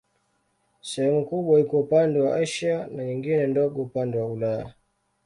Sehemu kubwa iko upande wa Asia na nyingine ndogo upande wa Ulaya.